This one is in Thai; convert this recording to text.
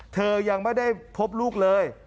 เธอยังไม่ได้พบลูกเลย